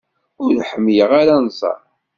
Ur ḥemmleɣ ara anẓar.